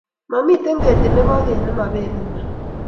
mamiten ketit nebo keny nemapeel maat